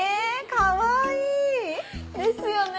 かわいい！ですよね！